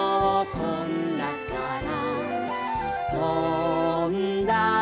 「とんだから」